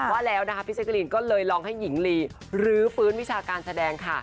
ว่าแล้วนะคะพี่เจ๊กรีนก็เลยลองให้หญิงลีรื้อฟื้นวิชาการแสดงค่ะ